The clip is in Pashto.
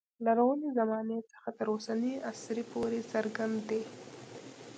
لرغونې زمانې څخه تر اوسني عصر پورې څرګند دی.